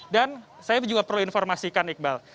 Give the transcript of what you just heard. dan saya juga perlu informasikan iqbal